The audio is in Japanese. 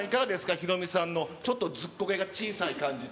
ヒロミさんの、ちょっとずっこけが小さい感じと。